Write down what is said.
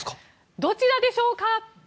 どちらでしょうか？